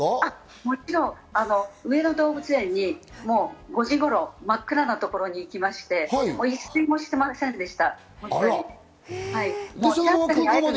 もちろん、上野動物園に５時頃、真っ暗な時に行きまして、一睡もしていませんでした。